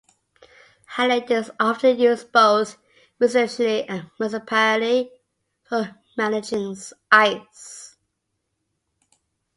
Halite is often used both residentially and municipally for managing ice.